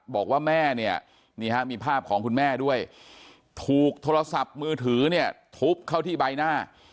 บอกว่าแม่เนี่ยนี่ฮะมีภาพของคุณแม่ด้วยถูกโทรศัพท์มือถือเนี่ยทุบเข้าที่ใบหน้า